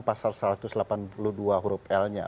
pasal satu ratus delapan puluh dua huruf l nya